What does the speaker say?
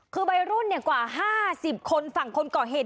คือใบรุ่นเนี่ยกว่าห้าสิบคนฝั่งคนก่อเหตุ